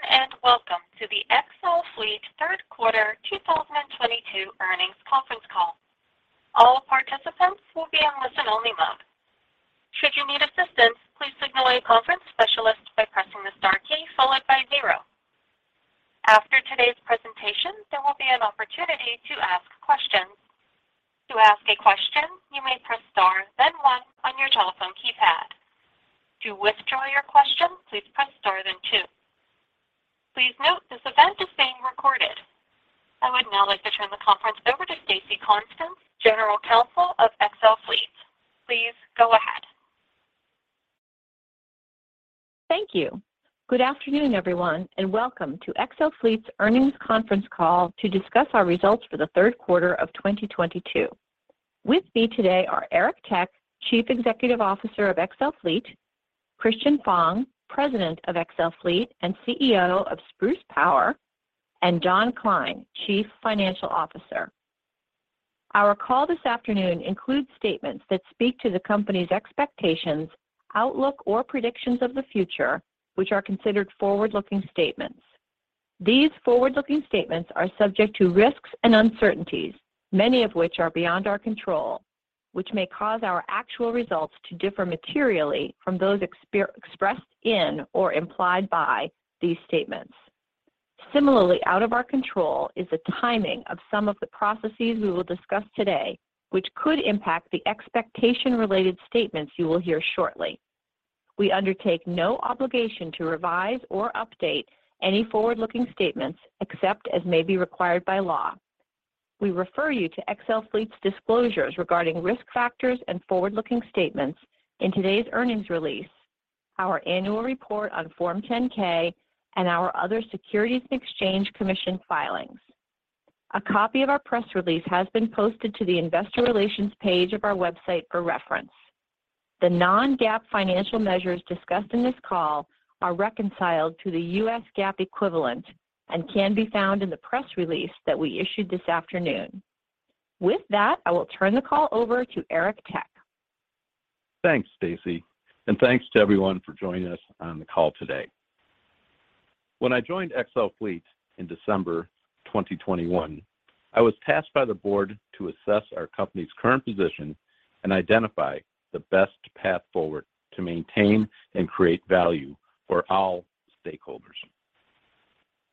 Good afternoon, and welcome to the XL Fleet third quarter 2022 earnings conference call. All participants will be in listen-only mode. Should you need assistance, please signal a conference specialist by pressing the star key followed by zero. After today's presentation, there will be an opportunity to ask questions. To ask a question, you may press star then one on your telephone keypad. To withdraw your question, please press star then two. Please note this event is being recorded. I would now like to turn the conference over to Stacey Constas, General Counsel of XL Fleet. Please go ahead. Thank you. Good afternoon, everyone, and welcome to XL Fleet's earnings conference call to discuss our results for the third quarter of 2022. With me today are Eric Tech, Chief Executive Officer of XL Fleet; Christian Fong, President of XL Fleet and CEO of Spruce Power; and Don Klein, Chief Financial Officer. Our call this afternoon includes statements that speak to the company's expectations, outlook, or predictions of the future, which are considered forward-looking statements. These forward-looking statements are subject to risks and uncertainties, many of which are beyond our control, which may cause our actual results to differ materially from those expressed in or implied by these statements. Similarly, out of our control is the timing of some of the processes we will discuss today, which could impact the expectation-related statements you will hear shortly. We undertake no obligation to revise or update any forward-looking statements except as may be required by law. We refer you to XL Fleet's disclosures regarding risk factors and forward-looking statements in today's earnings release, our annual report on Form 10-K, and our other Securities and Exchange Commission filings. A copy of our press release has been posted to the Investor Relations page of our website for reference. The non-GAAP financial measures discussed in this call are reconciled to the U.S. GAAP equivalent and can be found in the press release that we issued this afternoon. With that, I will turn the call over to Eric Tech. Thanks, Stacey. Thanks to everyone for joining us on the call today. When I joined XL Fleet in December 2021, I was tasked by the board to assess our company's current position and identify the best path forward to maintain and create value for all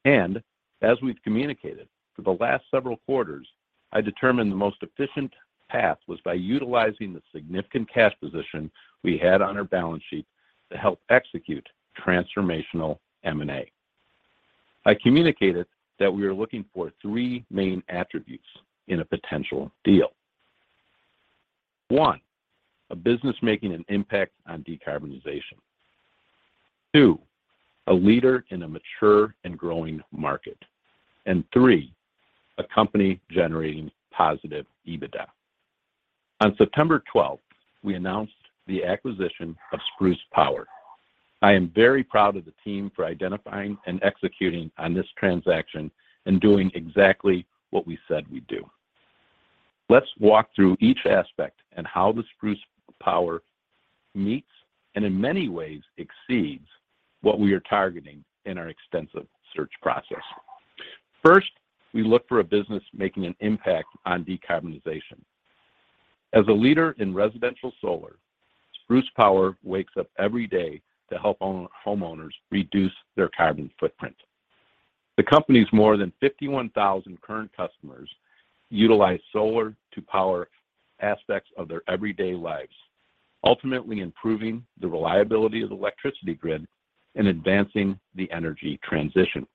stakeholders. As we've communicated for the last several quarters, I determined the most efficient path was by utilizing the significant cash position we had on our balance sheet to help execute transformational M&A. I communicated that we were looking for three main attributes in a potential deal. One, a business making an impact on decarbonization. Two, a leader in a mature and growing market. Three, a company generating positive EBITDA. On September 12th, we announced the acquisition of Spruce Power. I am very proud of the team for identifying and executing on this transaction and doing exactly what we said we'd do. Let's walk through each aspect and how the Spruce Power meets and in many ways exceeds what we are targeting in our extensive search process. First, we look for a business making an impact on decarbonization. As a leader in residential solar, Spruce Power wakes up every day to help homeowners reduce their carbon footprint. The company's more than 51,000 current customers utilize solar to power aspects of their everyday lives, ultimately improving the reliability of the electricity grid and advancing the energy transition.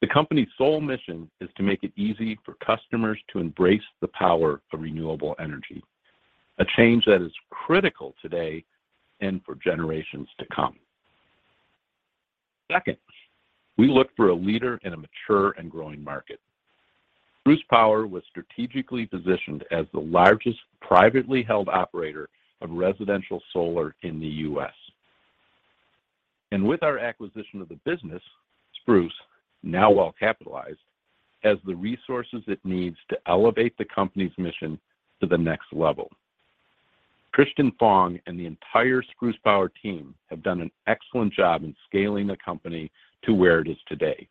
The company's sole mission is to make it easy for customers to embrace the power of renewable energy, a change that is critical today and for generations to come. Second, we look for a leader in a mature and growing market. Spruce Power was strategically positioned as the largest privately held operator of residential solar in the U.S. With our acquisition of the business, Spruce, now well-capitalized, has the resources it needs to elevate the company's mission to the next level. Christian Fong and the entire Spruce Power team have done an excellent job in scaling the company to where it is today,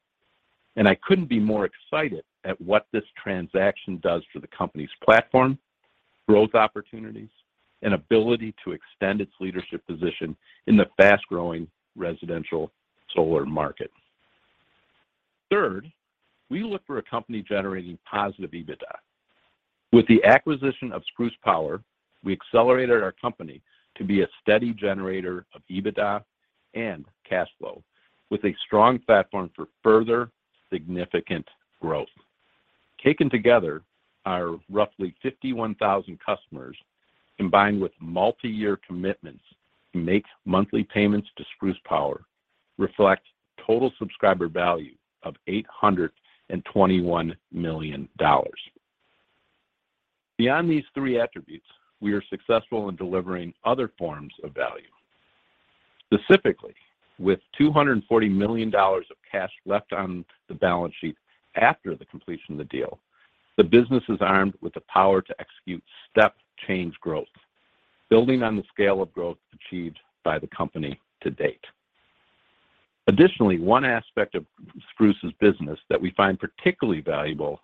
and I couldn't be more excited at what this transaction does for the company's platform, growth opportunities, and ability to extend its leadership position in the fast-growing residential solar market. Third, we look for a company generating positive EBITDA. With the acquisition of Spruce Power, we accelerated our company to be a steady generator of EBITDA and cash flow with a strong platform for further significant growth. Taken together, our roughly 51,000 customers, combined with multi-year commitments who make monthly payments to Spruce Power, reflect Total Subscriber Value of $821 million. Beyond these three attributes, we are successful in delivering other forms of value. Specifically, with $240 million of cash left on the balance sheet after the completion of the deal, the business is armed with the power to execute step change growth. Building on the scale of growth achieved by the company to date. Additionally, one aspect of Spruce's business that we find particularly valuable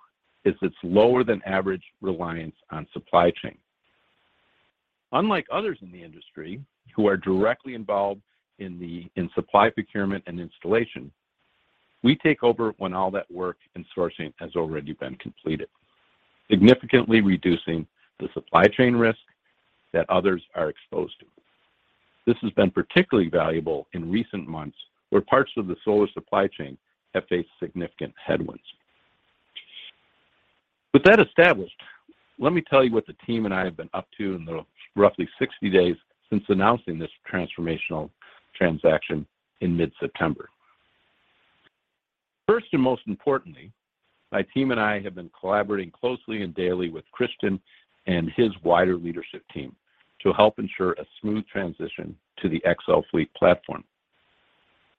is its lower than average reliance on supply chain. Unlike others in the industry who are directly involved in supply procurement and installation, we take over when all that work and sourcing has already been completed, significantly reducing the supply chain risk that others are exposed to. This has been particularly valuable in recent months where parts of the solar supply chain have faced significant headwinds. With that established, let me tell you what the team and I have been up to in the roughly 60 days since announcing this transformational transaction in mid-September. First, and most importantly, my team and I have been collaborating closely and daily with Christian and his wider leadership team to help ensure a smooth transition to the XL Fleet platform.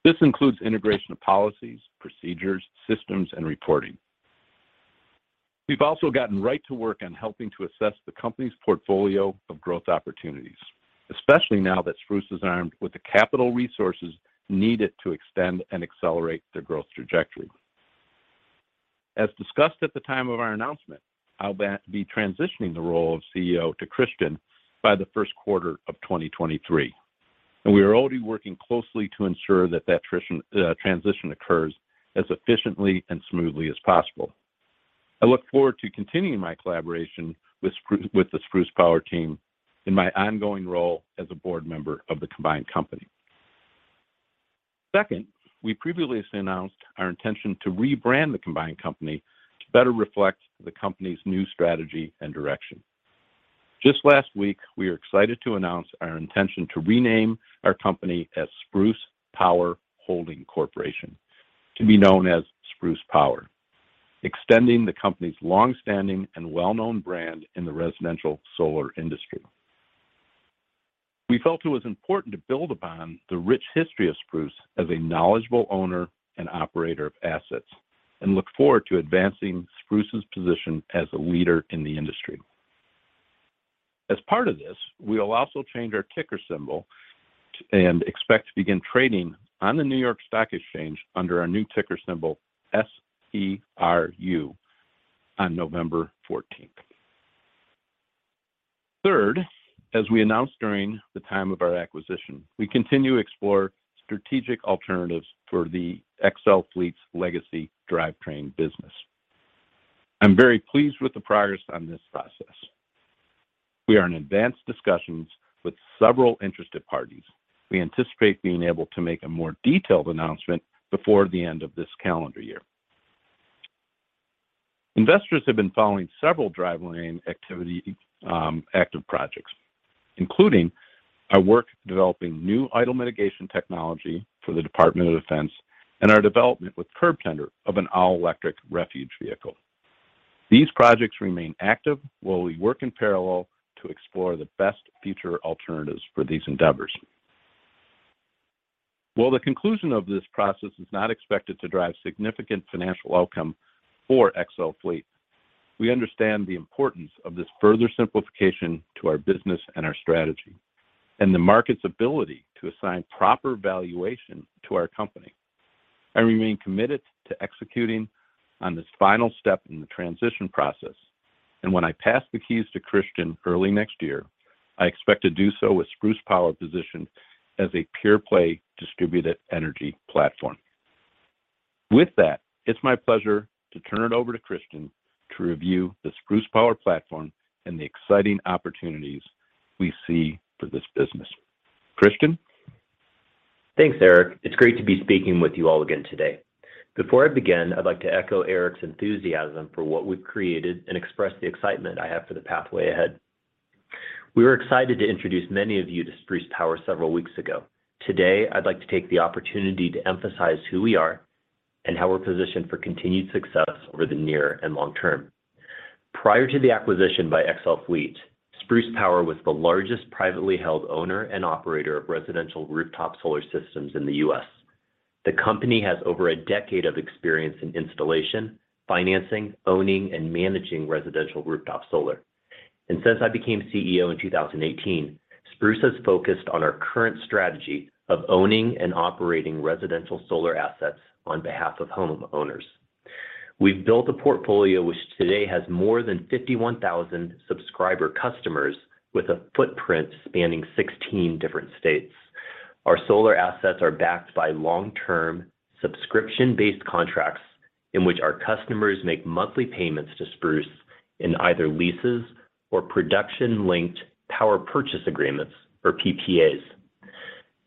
This includes integration of policies, procedures, systems and reporting. We've also gotten right to work on helping to assess the company's portfolio of growth opportunities, especially now that Spruce is armed with the capital resources needed to extend and accelerate their growth trajectory. As discussed at the time of our announcement, I'll be transitioning the role of CEO to Christian by the first quarter of 2023, and we are already working closely to ensure that transition occurs as efficiently and smoothly as possible. I look forward to continuing my collaboration with the Spruce Power team in my ongoing role as a board member of the combined company. Second, we previously announced our intention to rebrand the combined company to better reflect the company's new strategy and direction. Just last week, we are excited to announce our intention to rename our company as Spruce Power Holding Corporation, to be known as Spruce Power, extending the company's long-standing and well-known brand in the residential solar industry. We felt it was important to build upon the rich history of Spruce as a knowledgeable owner and operator of assets and look forward to advancing Spruce's position as a leader in the industry. As part of this, we will also change our ticker symbol and expect to begin trading on the New York Stock Exchange under our new ticker symbol, SPRU on November 14th. Third, as we announced during the time of our acquisition, we continue to explore strategic alternatives for the XL Fleet's legacy drivetrain business. I'm very pleased with the progress on this process. We are in advanced discussions with several interested parties. We anticipate being able to make a more detailed announcement before the end of this calendar year. Investors have been following several drivetrain activity, active projects, including our work developing new Idle Mitigation Technology for the Department of Defense and our development with Curbtender of an all-electric refuse vehicle. These projects remain active while we work in parallel to explore the best future alternatives for these endeavors. While the conclusion of this process is not expected to drive significant financial outcome for XL Fleet, we understand the importance of this further simplification to our business and our strategy, and the market's ability to assign proper valuation to our company. I remain committed to executing on this final step in the transition process, and when I pass the keys to Christian early next year, I expect to do so with Spruce Power positioned as a pure-play distributed energy platform. With that, it's my pleasure to turn it over to Christian to review the Spruce Power platform and the exciting opportunities we see for this business. Christian. Thanks, Eric. It's great to be speaking with you all again today. Before I begin, I'd like to echo Eric's enthusiasm for what we've created and express the excitement I have for the pathway ahead. We were excited to introduce many of you to Spruce Power several weeks ago. Today, I'd like to take the opportunity to emphasize who we are and how we're positioned for continued success over the near and long term. Prior to the acquisition by XL Fleet, Spruce Power was the largest privately held owner and operator of residential rooftop solar systems in the U.S. The company has over a decade of experience in installation, financing, owning, and managing residential rooftop solar. Since I became CEO in 2018, Spruce has focused on our current strategy of owning and operating residential solar assets on behalf of homeowners. We've built a portfolio which today has more than 51,000 subscriber customers with a footprint spanning 16 different states. Our solar assets are backed by long-term, subscription-based contracts in which our customers make monthly payments to Spruce in either leases or production-linked Power Purchase Agreements or PPAs.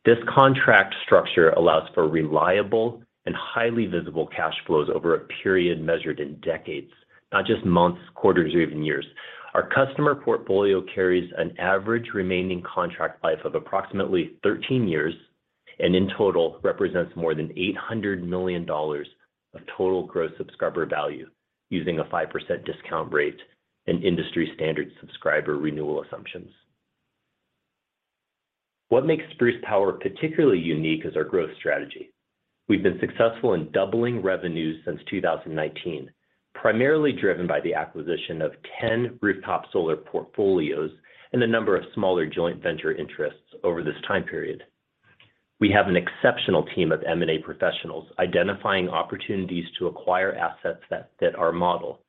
This contract structure allows for reliable and highly visible cash flows over a period measured in decades, not just months, quarters or even years. Our customer portfolio carries an average remaining contract life of approximately 13 years, and in total represents more than $800 million of total gross subscriber value using a 5% discount rate and industry standard subscriber renewal assumptions. What makes Spruce Power particularly unique is our growth strategy. We've been successful in doubling revenues since 2019, primarily driven by the acquisition of 10 rooftop solar portfolios and a number of smaller joint venture interests over this time period. We have an exceptional team of M&A professionals identifying opportunities to acquire assets that fit our model,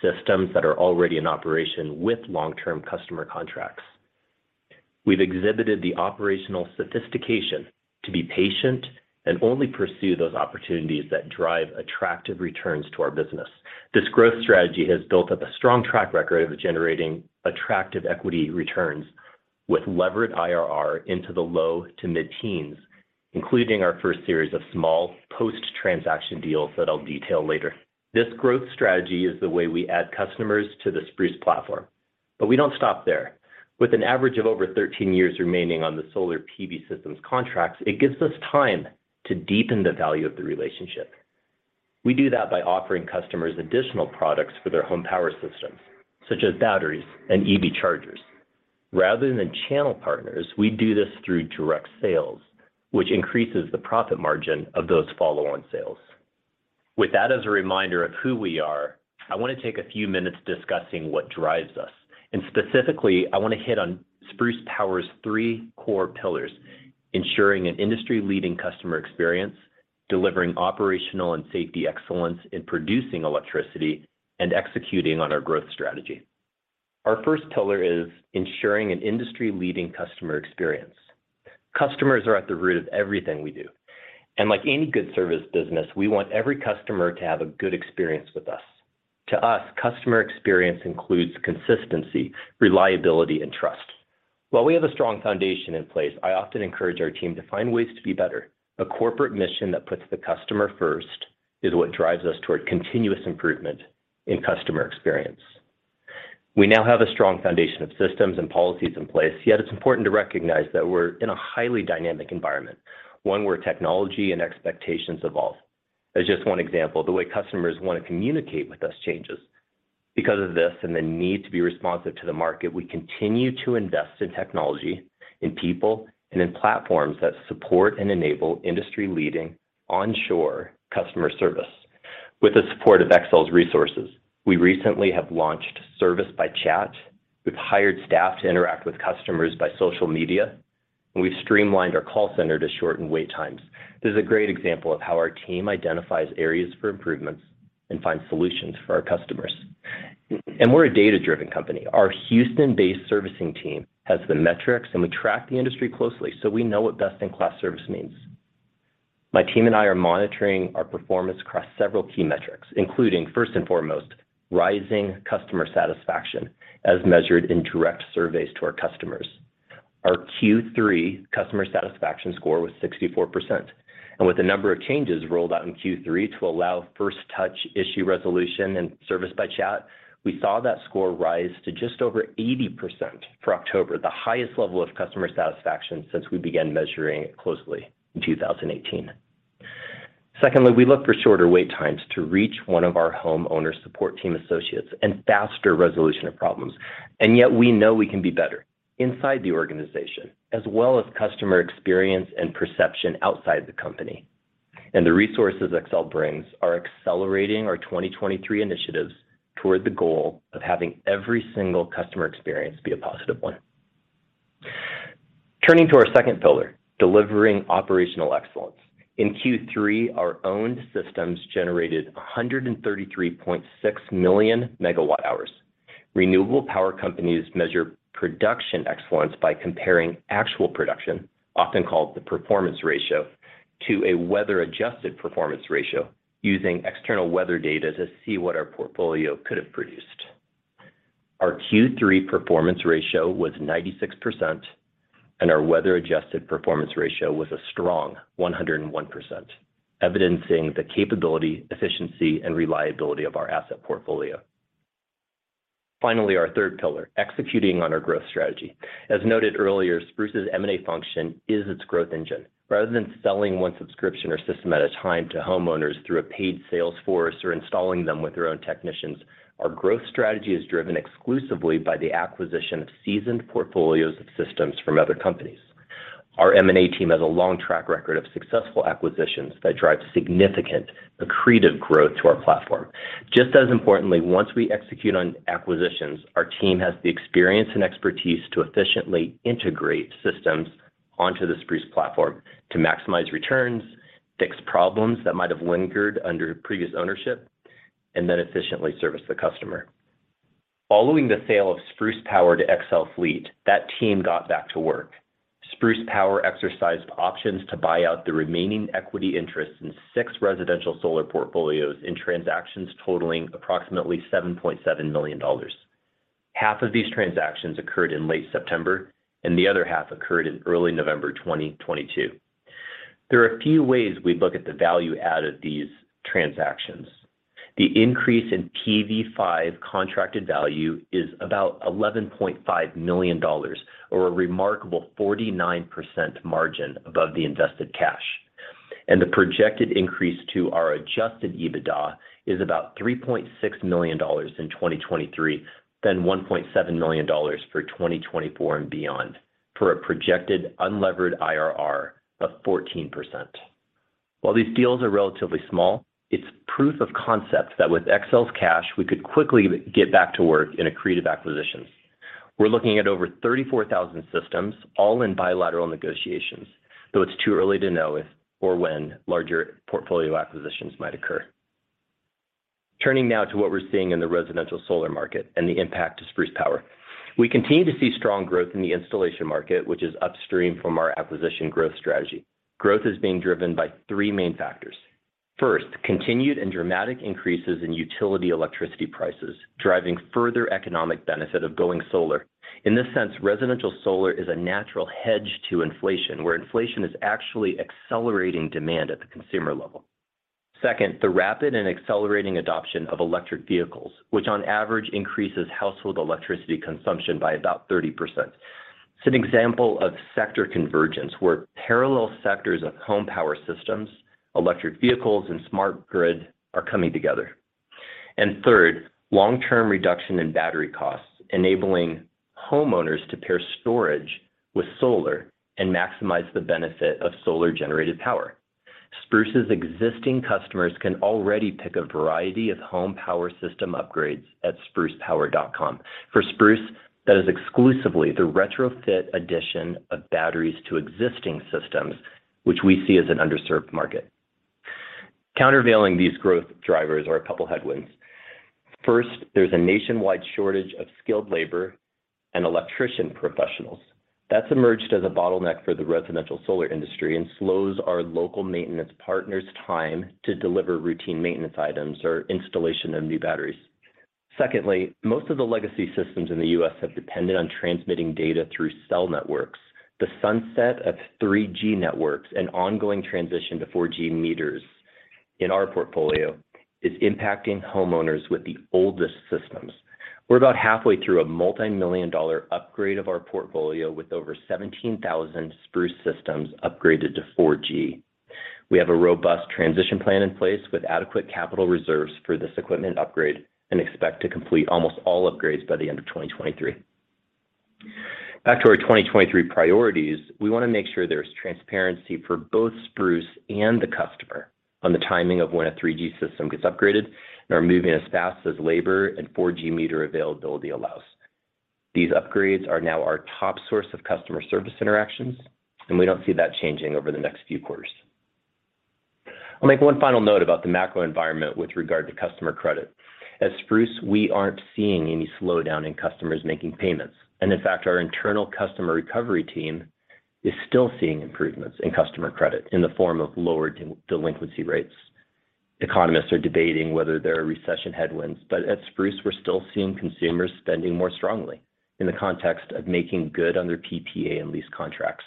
systems that are already in operation with long-term customer contracts. We've exhibited the operational sophistication to be patient and only pursue those opportunities that drive attractive returns to our business. This growth strategy has built up a strong track record of generating attractive equity returns with levered IRR into the low to mid-teens, including our first series of small post-transaction deals that I'll detail later. This growth strategy is the way we add customers to the Spruce platform. We don't stop there. With an average of over 13 years remaining on the solar PV systems contracts, it gives us time to deepen the value of the relationship. We do that by offering customers additional products for their home power systems, such as batteries and EV chargers. Rather than channel partners, we do this through direct sales, which increases the profit margin of those follow-on sales. With that as a reminder of who we are, I want to take a few minutes discussing what drives us, and specifically, I want to hit on Spruce Power's three core pillars, ensuring an industry-leading customer experience, delivering operational and safety excellence in producing electricity, and executing on our growth strategy. Our first pillar is ensuring an industry-leading customer experience. Customers are at the root of everything we do, and like any good service business, we want every customer to have a good experience with us. To us, customer experience includes consistency, reliability, and trust. While we have a strong foundation in place, I often encourage our team to find ways to be better. A corporate mission that puts the customer first is what drives us toward continuous improvement in customer experience. We now have a strong foundation of systems and policies in place, yet it's important to recognize that we're in a highly dynamic environment, one where technology and expectations evolve. As just one example, the way customers want to communicate with us changes. Because of this and the need to be responsive to the market, we continue to invest in technology, in people, and in platforms that support and enable industry-leading onshore customer service. With the support of XL's resources, we recently have launched service by chat, we've hired staff to interact with customers by social media, and we've streamlined our call center to shorten wait times. This is a great example of how our team identifies areas for improvements and finds solutions for our customers. We're a data-driven company. Our Houston-based servicing team has the metrics, and we track the industry closely, so we know what best-in-class service means. My team and I are monitoring our performance across several key metrics, including, first and foremost, rising customer satisfaction as measured in direct surveys to our customers. Our Q3 customer satisfaction score was 64%, and with a number of changes rolled out in Q3 to allow first-touch issue resolution and service by chat, we saw that score rise to just over 80% for October, the highest level of customer satisfaction since we began measuring it closely in 2018. Secondly, we look for shorter wait times to reach one of our homeowner support team associates and faster resolution of problems. Yet we know we can be better inside the organization as well as customer experience and perception outside the company. The resources XL brings are accelerating our 2023 initiatives toward the goal of having every single customer experience be a positive one. Turning to our second pillar, delivering operational excellence. In Q3, our owned systems generated 133.6 million megawatt-hours. Renewable power companies measure production excellence by comparing actual production, often called the Weather-Adjusted Performance Ratio using external weather data to see what our portfolio could have produced. Our Q3 Performance Ratio was Weather-Adjusted Performance Ratio was a strong 101%, evidencing the capability, efficiency, and reliability of our asset portfolio. Finally, our third pillar, executing on our growth strategy. As noted earlier, Spruce's M&A function is its growth engine. Rather than selling one subscription or system at a time to homeowners through a paid sales force or installing them with their own technicians, our growth strategy is driven exclusively by the acquisition of seasoned portfolios of systems from other companies. Our M&A team has a long track record of successful acquisitions that drive significant accretive growth to our platform. Just as importantly, once we execute on acquisitions, our team has the experience and expertise to efficiently integrate systems onto the Spruce platform to maximize returns, fix problems that might have lingered under previous ownership, and then efficiently service the customer. Following the sale of Spruce Power to XL Fleet, that team got back to work. Spruce Power exercised options to buy out the remaining equity interests in six residential solar portfolios in transactions totaling approximately $7.7 million. Half of these transactions occurred in late September, and the other half occurred in early November 2022. There are a few ways we look at the value add of these transactions. The increase in PV5 contracted value is about $11.5 million or a remarkable 49% margin above the invested cash. The projected increase to our Adjusted EBITDA is about $3.6 million in 2023, then $1.7 million for 2024 and beyond, for a projected unlevered IRR of 14%. While these deals are relatively small, it's proof of concept that with XL's cash, we could quickly get back to work in accretive acquisitions. We're looking at over 34,000 systems, all in bilateral negotiations, though it's too early to know if or when larger portfolio acquisitions might occur. Turning now to what we're seeing in the residential solar market and the impact to Spruce Power. We continue to see strong growth in the installation market, which is upstream from our acquisition growth strategy. Growth is being driven by three main factors. First, continued and dramatic increases in utility electricity prices, driving further economic benefit of going solar. In this sense, residential solar is a natural hedge to inflation, where inflation is actually accelerating demand at the consumer level. Second, the rapid and accelerating adoption of electric vehicles, which on average increases household electricity consumption by about 30%. It's an example of sector convergence, where parallel sectors of home power systems, electric vehicles, and smart grid are coming together. Third, long-term reduction in battery costs, enabling homeowners to pair storage with solar and maximize the benefit of solar-generated power. Spruce's existing customers can already pick a variety of home power system upgrades at sprucepower.com. For Spruce, that is exclusively the retrofit addition of batteries to existing systems, which we see as an underserved market. Countervailing these growth drivers are a couple headwinds. First, there's a nationwide shortage of skilled labor and electrician professionals. That's emerged as a bottleneck for the residential solar industry and slows our local maintenance partners' time to deliver routine maintenance items or installation of new batteries. Secondly, most of the legacy systems in the U.S. have depended on transmitting data through cell networks. The sunset of 3G networks and ongoing transition to 4G meters in our portfolio is impacting homeowners with the oldest systems. We're about halfway through a multi-million-dollar upgrade of our portfolio with over 17,000 Spruce systems upgraded to 4G. We have a robust transition plan in place with adequate capital reserves for this equipment upgrade and expect to complete almost all upgrades by the end of 2023. Back to our 2023 priorities. We want to make sure there's transparency for both Spruce and the customer on the timing of when a 3G system gets upgraded, and are moving as fast as labor and 4G meter availability allows. These upgrades are now our top source of customer service interactions, and we don't see that changing over the next few quarters. I'll make one final note about the macro environment with regard to customer credit. At Spruce, we aren't seeing any slowdown in customers making payments. In fact, our internal customer recovery team is still seeing improvements in customer credit in the form of lowered delinquency rates. Economists are debating whether there are recession headwinds, but at Spruce, we're still seeing consumers spending more strongly in the context of making good on their PPA and lease contracts.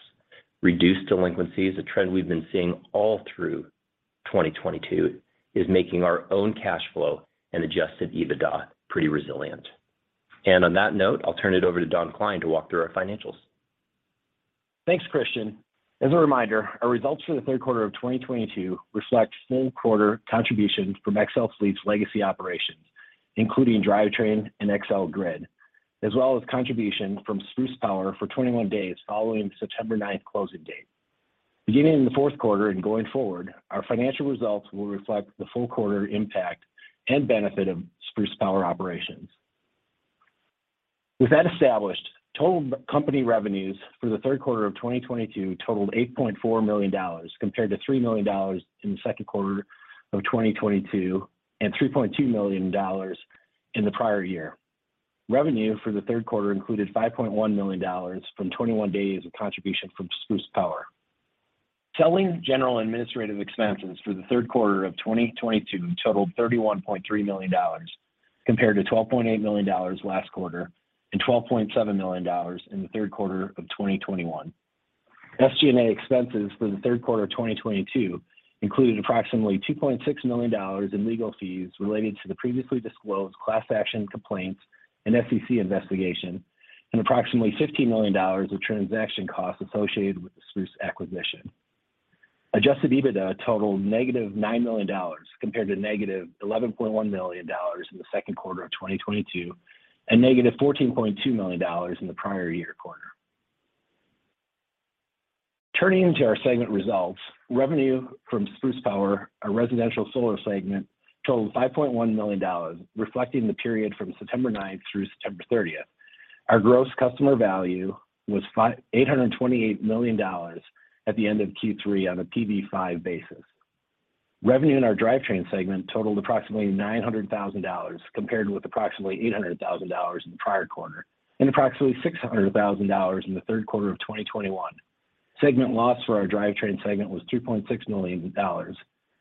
Reduced delinquency is a trend we've been seeing all through 2022, is making our own cash flow and Adjusted EBITDA pretty resilient. On that note, I'll turn it over to Don Klein to walk through our financials. Thanks, Christian. As a reminder, our results for the third quarter of 2022 reflect full quarter contributions from XL Fleet's legacy operations, including drivetrain and XL Grid, as well as contribution from Spruce Power for 21 days following September 9th closing date. Beginning in the fourth quarter and going forward, our financial results will reflect the full quarter impact and benefit of Spruce Power operations. With that established, total company revenues for the third quarter of 2022 totaled $8.4 million, compared to $3 million in the second quarter of 2022 and $3.2 million in the prior year. Revenue for the third quarter included $5.1 million from 21 days of contribution from Spruce Power. Selling, general and administrative expenses for the third quarter of 2022 totaled $31.3 million, compared to $12.8 million last quarter and $12.7 million in the third quarter of 2021. SG&A expenses for the third quarter of 2022 included approximately $2.6 million in legal fees related to the previously disclosed class action complaints and SEC investigation, and approximately $15 million of transaction costs associated with the Spruce acquisition. Adjusted EBITDA totaled $-9 million, compared to $-11.1 million in the second quarter of 2022, and $-14.2 million in the prior year quarter. Turning to our segment results, revenue from Spruce Power, our residential solar segment, totaled $5.1 million, reflecting the period from September 9th through September 30th. Our Gross Customer Value was $828 million at the end of Q3 on a PV5 basis. Revenue in our drivetrain segment totaled approximately $900,000, compared with approximately $800,000 in the prior quarter, and approximately $600,000 in the third quarter of 2021. Segment loss for our drivetrain segment was $3.6 million,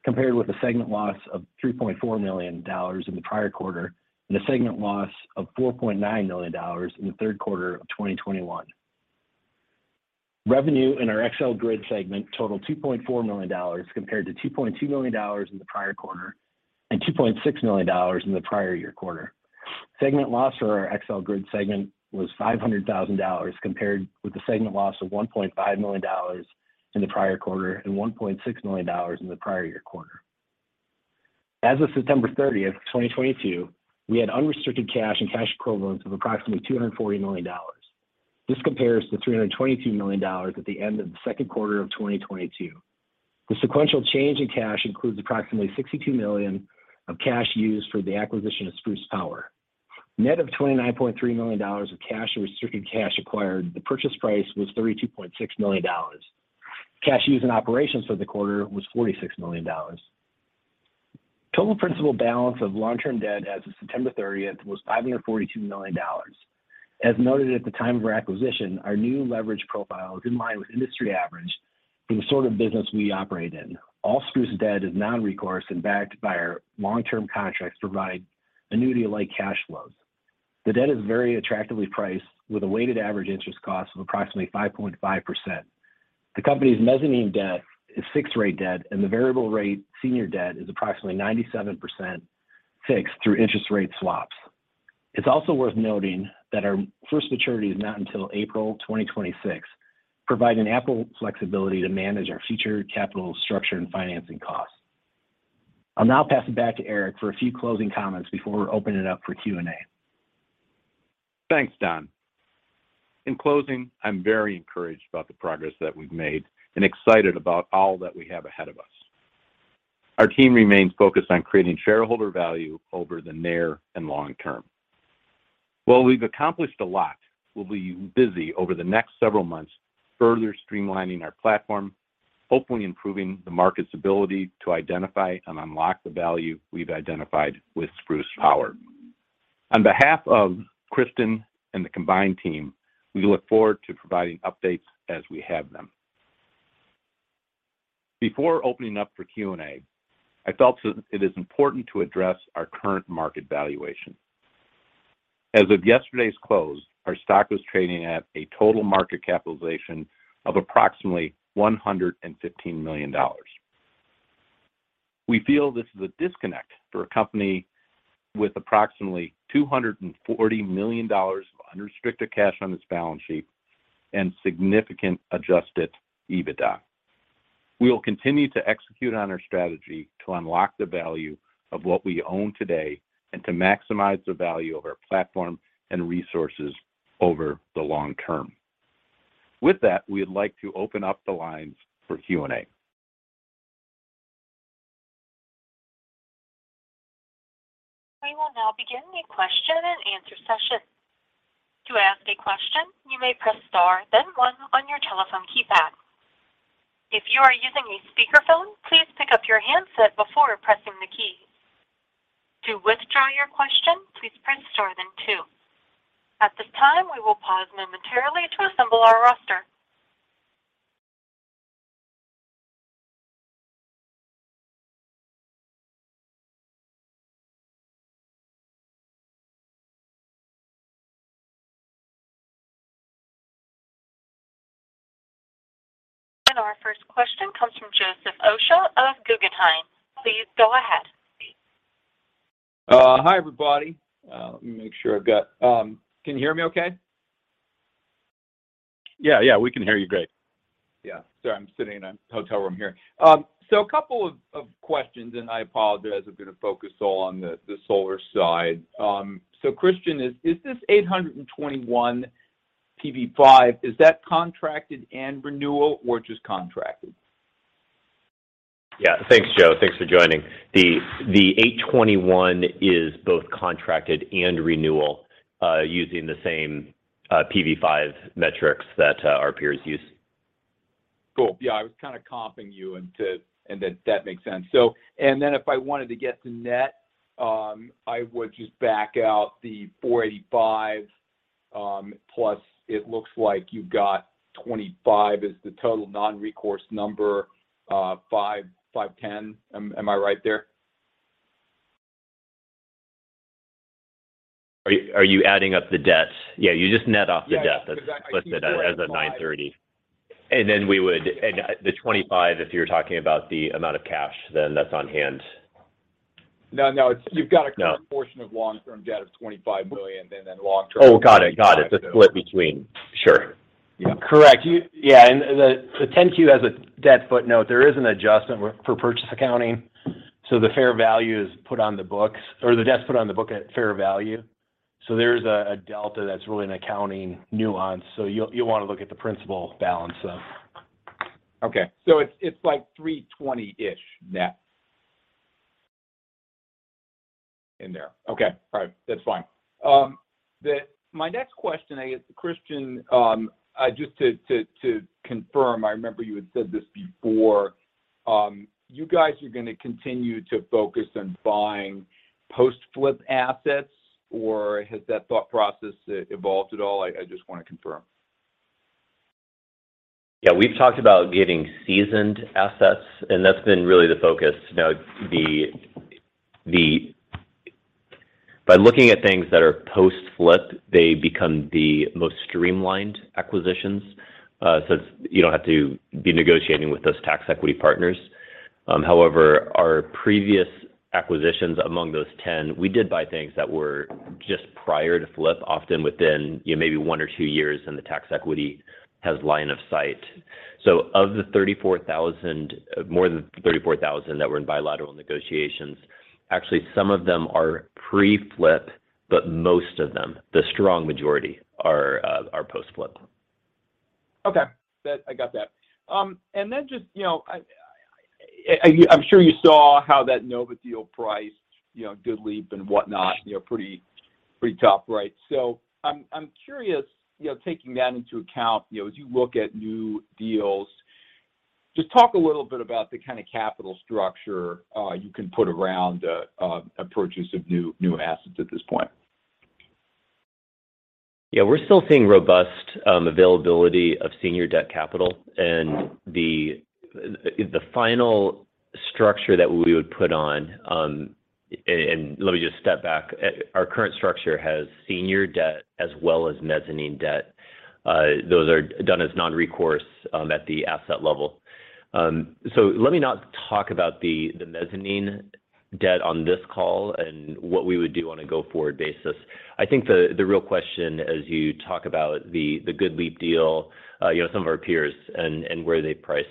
compared with a segment loss of $3.4 million in the prior quarter, and a segment loss of $4.9 million in the third quarter of 2021. Revenue in our XL Grid segment totaled $2.4 million, compared to $2.2 million in the prior quarter and $2.6 million in the prior year quarter. Segment loss for our XL Grid segment was $500,000 compared with the segment loss of $1.5 million in the prior quarter and $1.6 million in the prior year quarter. As of September 30th, 2022, we had unrestricted cash and cash equivalents of approximately $240 million. This compares to $322 million at the end of the second quarter of 2022. The sequential change in cash includes approximately $62 million of cash used for the acquisition of Spruce Power. Net of $29.3 million of cash and restricted cash acquired, the purchase price was $32.6 million. Cash used in operations for the quarter was $46 million. Total principal balance of long-term debt as of September 30th was $542 million. As noted at the time of our acquisition, our new leverage profile is in line with industry average for the sort of business we operate in. All Spruce debt is non-recourse and backed by our long-term contracts to provide annuity-like cash flows. The debt is very attractively priced with a weighted average interest cost of approximately 5.5%. The company's mezzanine debt is fixed rate debt, and the variable rate senior debt is approximately 97% fixed through interest rate swaps. It's also worth noting that our first maturity is not until April 2026, providing ample flexibility to manage our future capital structure and financing costs. I'll now pass it back to Eric for a few closing comments before we open it up for Q&A. Thanks, Don. In closing, I'm very encouraged about the progress that we've made and excited about all that we have ahead of us. Our team remains focused on creating shareholder value over the near and long term. While we've accomplished a lot, we'll be busy over the next several months further streamlining our platform, hopefully improving the market's ability to identify and unlock the value we've identified with Spruce Power. On behalf of Christian and the combined team, we look forward to providing updates as we have them. Before opening up for Q&A, I felt it is important to address our current market valuation. As of yesterday's close, our stock was trading at a total market capitalization of approximately $115 million. We feel this is a disconnect for a company with approximately $240 million of unrestricted cash on its balance sheet and significant Adjusted EBITDA. We will continue to execute on our strategy to unlock the value of what we own today and to maximize the value of our platform and resources over the long term. With that, we would like to open up the lines for Q&A. We will now begin the question and answer session. To ask a question, you may press star then one on your telephone keypad. If you are using a speakerphone, please pick up your handset before pressing the key. To withdraw your question, please press star then two. At this time, we will pause momentarily to assemble our roster. Our first question comes from Joseph Osha of Guggenheim. Please go ahead. Hi, everybody. Can you hear me okay? Yeah. Yeah, we can hear you great. Yeah. Sorry, I'm sitting in a hotel room here. A couple of questions, and I apologize. I'm gonna focus all on the solar side. Christian, is this 821 PV5, is that contracted and renewal or just contracted? Yeah. Thanks, Joseph. Thanks for joining. The 821 is both contracted and renewal using the same PV5 metrics that our peers use. Cool. Yeah, I was kinda comping you and then that makes sense. If I wanted to get to net, I would just back out the $485, plus it looks like you've got $25 as the total non-recourse number, $510. Am I right there? Are you adding up the debt? Yeah, you just net off the debt. Yeah. Exactly. That's listed as of 9:30 A.M. The $25, if you're talking about the amount of cash, then that's on hand. No, it's you've got a. No. Current portion of long-term debt of $25 million, and then long-term Oh, got it. 25, so. Sure. Yeah. Correct. Yeah, the Form 10-Q as a debt footnote, there is an adjustment for purchase accounting. The fair value is put on the books, or the debt's put on the book at fair value. There's a delta that's really an accounting nuance. You'll wanna look at the principal balance then. Okay. It's like 3:20-ish net in there. Okay. All right. That's fine. My next question, I guess, Christian, just to confirm, I remember you had said this before. You guys are gonna continue to focus on buying post-flip assets, or has that thought process evolved at all? I just wanna confirm. Yeah. We've talked about getting seasoned assets, and that's been really the focus. By looking at things that are post-flip, they become the most streamlined acquisitions. It's. You don't have to be negotiating with those Tax Equity partners. However, our previous acquisitions among those 10, we did buy things that were just prior to flip, often within, you know, maybe one or two years, and the Tax Equity has line of sight. Of more than 34,000 that were in bilateral negotiations, actually some of them are pre-flip, but most of them, the strong majority, are post-flip. Okay. I got that. Just, you know, I'm sure you saw how that Nova deal priced, you know, GoodLeap and whatnot, you know, pretty tough, right? I'm curious, you know, taking that into account, you know, as you look at new deals, just talk a little bit about the kind of capital structure you can put around a purchase of new assets at this point. Yeah. We're still seeing robust availability of senior debt capital and the final structure that we would put on, and let me just step back. Our current structure has senior debt as well as mezzanine debt. Those are done as non-recourse at the asset level. So let me not talk about the mezzanine debt on this call and what we would do on a go-forward basis. I think the real question as you talk about the GoodLeap deal, you know, some of our peers and where they priced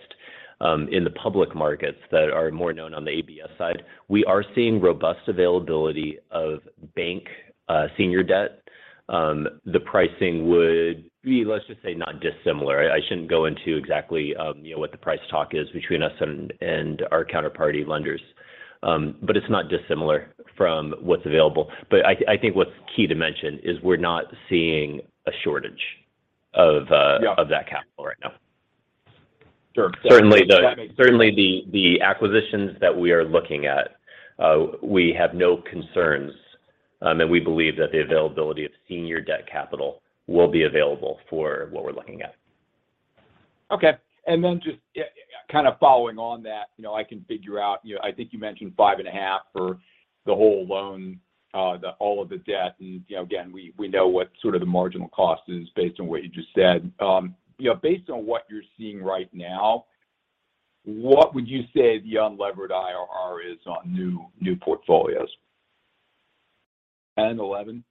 in the public markets that are more known on the ABS side, we are seeing robust availability of bank senior debt. The pricing would be, let's just say, not dissimilar. I shouldn't go into exactly, you know, what the price talk is between us and our counterparty lenders. It's not dissimilar from what's available. I think what's key to mention is we're not seeing a shortage. Yeah. Of that capital right now. Sure. Certainly the- That makes sense. Certainly the acquisitions that we are looking at, we have no concerns, and we believe that the availability of senior debt capital will be available for what we're looking at. Okay. Then just kind of following on that, you know, I can figure out, you know, I think you mentioned 5.5 for the whole loan, all of the debt. You know, again, we know what sort of the marginal cost is based on what you just said. You know, based on what you're seeing right now, what would you say the unlevered IRR is on new portfolios? 10, 11?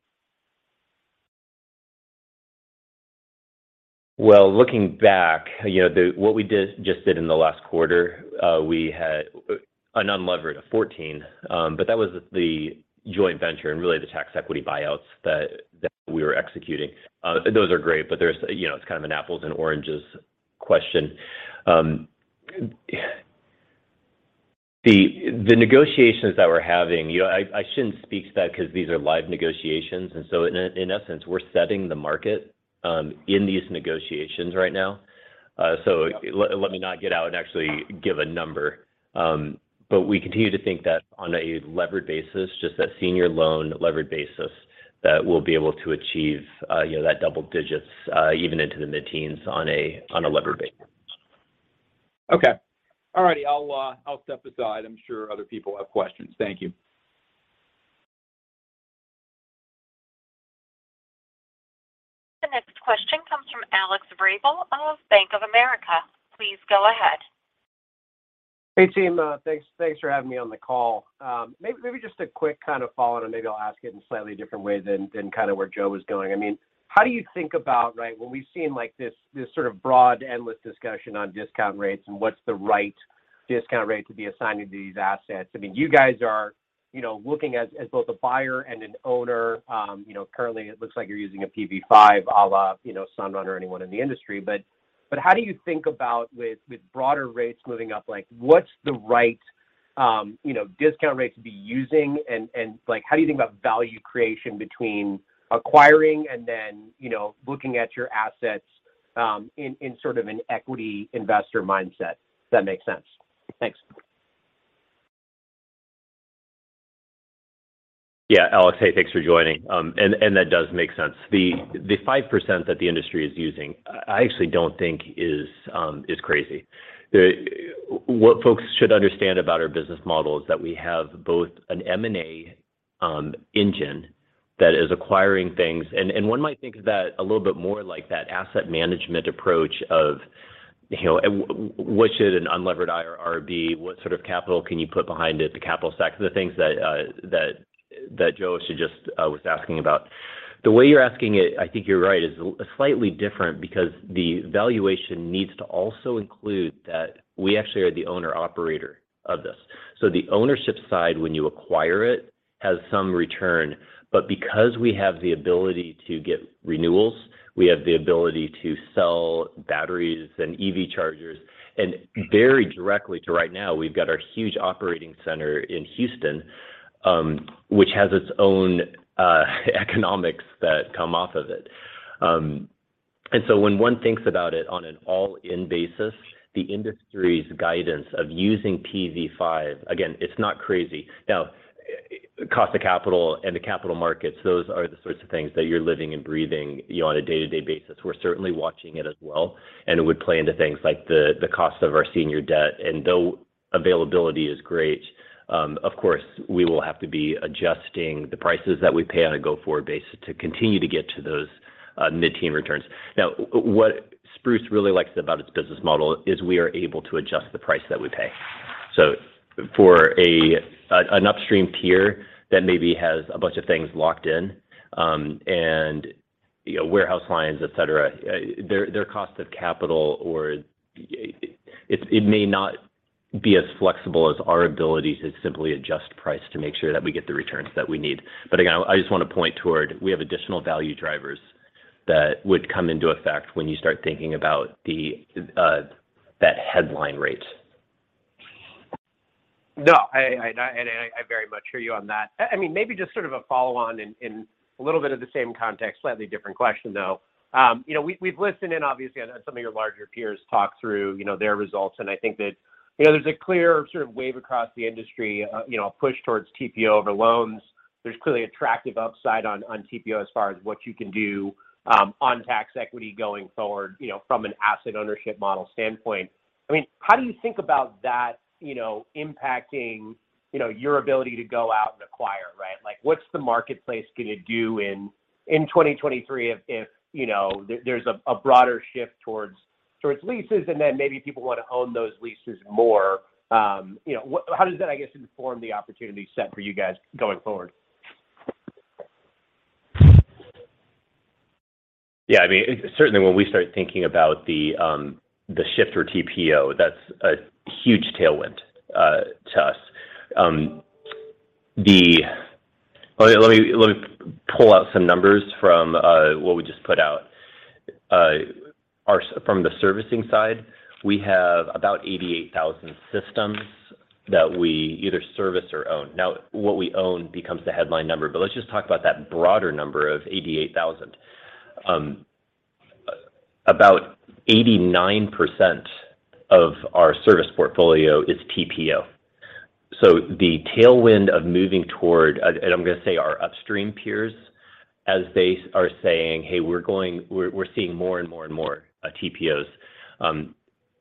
Well, looking back, you know, what we just did in the last quarter, we had an unlevered IRR of 14%. But that was the joint venture and really the Tax Equity buyouts that we were executing. Those are great, but there's, you know, it's kind of an apples and oranges question. The negotiations that we're having, you know, I shouldn't speak to that because these are live negotiations. In essence, we're setting the market in these negotiations right now. Yep Let me not get out and actually give a number. We continue to think that on a levered basis, just that senior loan levered basis, that we'll be able to achieve, you know, that double digits, even into the mid-teens on a levered basis. Okay. All righty. I'll step aside. I'm sure other people have questions. Thank you. The next question comes from Alex Vrabel of Bank of America. Please go ahead. Hey, team. Thanks for having me on the call. Maybe just a quick kind of follow-on, and maybe I'll ask it in a slightly different way than kind of where Joseph was going. I mean, how do you think about, right, when we've seen like this sort of broad endless discussion on discount rates and what's the right discount rate to be assigning to these assets? I mean, you guys are, you know, looking as both a buyer and an owner. You know, currently it looks like you're using a PV5 all up, you know, Sunrun or anyone in the industry. But how do you think about with broader rates moving up? Like, what's the right, you know, discount rate to be using and like how do you think about value creation between acquiring and then, you know, looking at your assets, in sort of an equity investor mindset? Does that make sense? Thanks. Yeah. Alex, hey, thanks for joining. That does make sense. The 5% that the industry is using, I actually don't think is crazy. What folks should understand about our business model is that we have both an M&A engine that is acquiring things. One might think of that a little bit more like that asset management approach of, you know, what should an unlevered IRR be? What sort of capital can you put behind it, the capital stack? The things that Joseph was just asking about. The way you're asking it, I think you're right, is slightly different because the valuation needs to also include that we actually are the owner-operator of this. The ownership side, when you acquire it, has some return. Because we have the ability to get renewals, we have the ability to sell batteries and EV chargers. Very directly, right now, we've got our huge operating center in Houston, which has its own economics that come off of it. When one thinks about it on an all-in basis, the industry's guidance of using PV5, again, it's not crazy. Now, cost of capital and the capital markets, those are the sorts of things that you're living and breathing, you know, on a day-to-day basis. We're certainly watching it as well, and it would play into things like the cost of our senior debt. Though availability is great, of course, we will have to be adjusting the prices that we pay on a go-forward basis to continue to get to those mid-teen returns. Now, what Spruce really likes about its business model is we are able to adjust the price that we pay. For an upstream tier that maybe has a bunch of things locked in, and, you know, warehouse lines, et cetera, their cost of capital or it may not be as flexible as our ability to simply adjust price to make sure that we get the returns that we need. Again, I just want to point toward we have additional value drivers that would come into effect when you start thinking about that headline rate. No, I very much hear you on that. I mean, maybe just sort of a follow on in a little bit of the same context, slightly different question, though. You know, we've listened in, obviously, on some of your larger peers talk through, you know, their results. I think that, you know, there's a clear sort of wave across the industry, you know, a push towards TPO over loans. There's clearly attractive upside on TPO as far as what you can do on Tax Equity going forward, you know, from an asset ownership model standpoint. I mean, how do you think about that, you know, impacting your ability to go out and acquire, right? Like, what's the marketplace gonna do in 2023 if, you know, there's a broader shift towards leases, and then maybe people want to own those leases more? You know, how does that, I guess, inform the opportunity set for you guys going forward? Yeah, I mean, certainly when we start thinking about the shift or TPO, that's a huge tailwind to us. Let me pull out some numbers from what we just put out. From the servicing side, we have about 88,000 systems that we either service or own. Now, what we own becomes the headline number. Let's just talk about that broader number of 88,000. About 89% of our service portfolio is TPO. The tailwind of moving toward, and I'm gonna say our upstream peers as they are saying, "Hey, we're seeing more and more and more TPOs."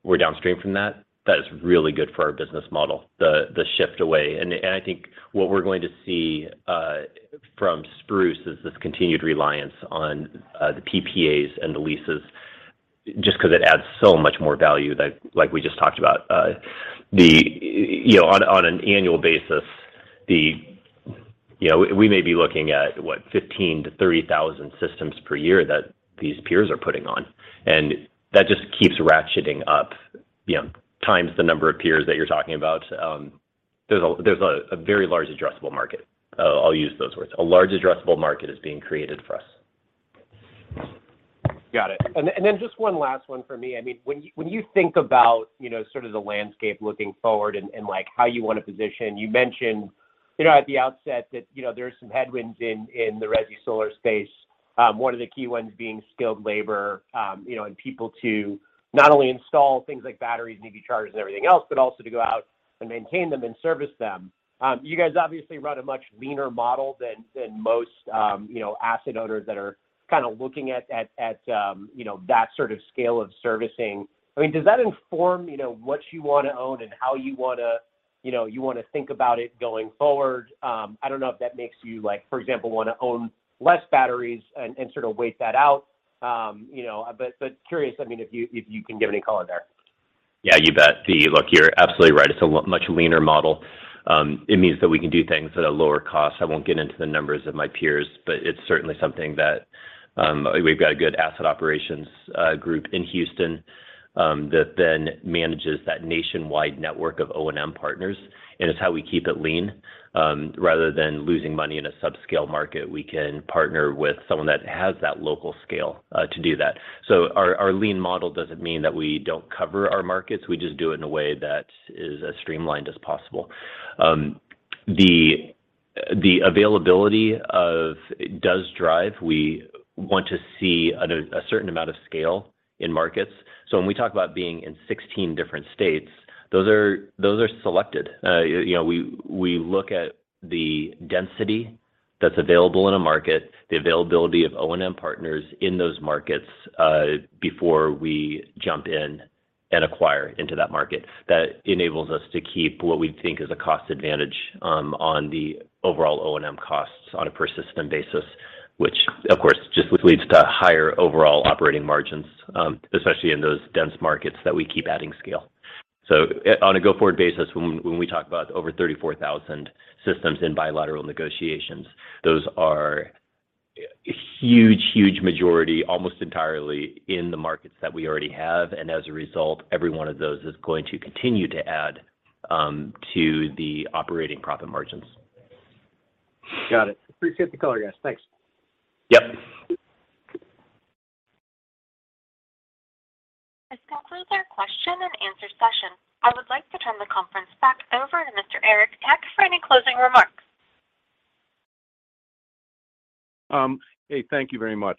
We're downstream from that. That is really good for our business model, the shift away. I think what we're going to see from Spruce is this continued reliance on the PPAs and the leases just 'cause it adds so much more value that like we just talked about. You know, on an annual basis, we may be looking at, what, 15,000-30,000 systems per year that these peers are putting on, and that just keeps ratcheting up, you know, times the number of peers that you're talking about. There's a very large addressable market. I'll use those words. A large addressable market is being created for us. Got it. Then just one last one for me. I mean, when you think about, you know, sort of the landscape looking forward and like how you want to position, you mentioned, you know, at the outset that, you know, there are some headwinds in the resi solar space, one of the key ones being skilled labor, you know, and people to not only install things like batteries and EV chargers and everything else, but also to go out and maintain them and service them. You guys obviously run a much leaner model than most, you know, asset owners that are kinda looking at that sort of scale of servicing. I mean, does that inform, you know, what you wanna own and how you wanna think about it going forward? I don't know if that makes you, like, for example, wanna own less batteries and sort of wait that out, you know. Curious, I mean, if you can give any color there. Yeah, you bet. See, look, you're absolutely right. It's a much leaner model. It means that we can do things at a lower cost. I won't get into the numbers of my peers, but it's certainly something that we've got a good asset operations group in Houston that then manages that nationwide network of O&M partners, and it's how we keep it lean. Rather than losing money in a subscale market, we can partner with someone that has that local scale to do that. Our lean model doesn't mean that we don't cover our markets. We just do it in a way that is as streamlined as possible. The availability does drive. We want to see a certain amount of scale in markets. When we talk about being in 16 different states, those are selected. You know, we look at the density that's available in a market, the availability of O&M partners in those markets before we jump in and acquire into that market. That enables us to keep what we think is a cost advantage on the overall O&M costs on a per system basis, which of course just leads to higher overall operating margins, especially in those dense markets that we keep adding scale. On a go-forward basis, when we talk about over 34,000 systems in bilateral negotiations, those are a huge majority, almost entirely in the markets that we already have. As a result, every one of those is going to continue to add to the operating profit margins. Got it. Appreciate the color, guys. Thanks. Yep. This concludes our question and answer session. I would like to turn the conference back over to Mr. Eric Tech for any closing remarks. Hey, thank you very much.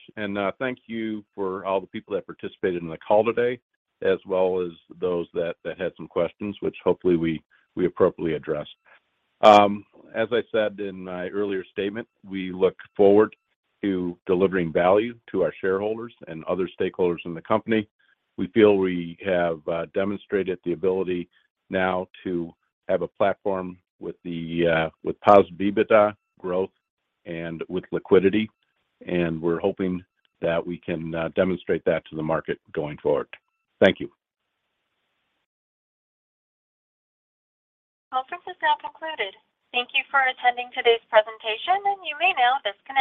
Thank you for all the people that participated in the call today, as well as those that had some questions, which hopefully we appropriately addressed. As I said in my earlier statement, we look forward to delivering value to our shareholders and other stakeholders in the company. We feel we have demonstrated the ability now to have a platform with positive EBITDA growth and with liquidity, and we're hoping that we can demonstrate that to the market going forward. Thank you. Conference is now concluded. Thank you for attending today's presentation, and you may now disconnect.